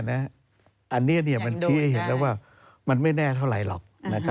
อันนี้มันชี้ให้เห็นแล้วว่ามันไม่แน่เท่าไหร่หรอก